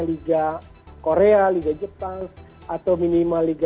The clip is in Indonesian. khusus asnawi liga korea menurut saya lebih realistis saat ini buat para pemain muda indonesia